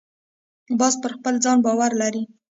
باز پر خپل ځان باور لري